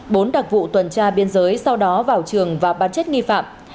bốn đặc vụ tuần tra biên giới sau đó vào trường và bán chết nghi phạm